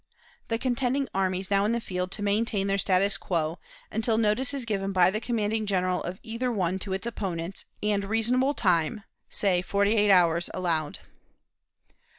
The contending armies now in the field to maintain their status quo, until notice is given by the commanding General of either one to its opponents, and reasonable time, say forty eight hours, allowed.